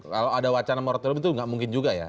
kalau ada wacana moratorium itu nggak mungkin juga ya